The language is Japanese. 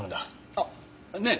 あっねえ